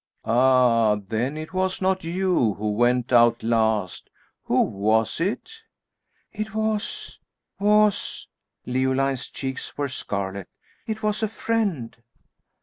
"Ah! then it was not you who went out last. Who was it?" "It was was " Leoline's cheeks were scarlet; "it was a friend!"